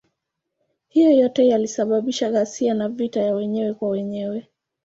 Hayo yote yalisababisha ghasia na vita ya wenyewe kwa wenyewe.